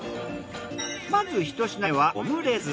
まずひと品目はオムレツ。